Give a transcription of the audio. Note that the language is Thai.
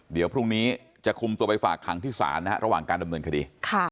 เดี๋ยวพรุ่งนี้จะคุมตัวไปฝากขังที่ศาลระหว่างการดำเนินคดี